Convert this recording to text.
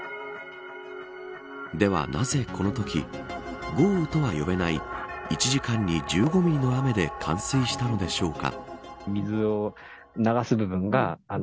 ではなぜ、このとき豪雨とは呼べない１時間に１５ミリの雨で冠水したのでしょうか。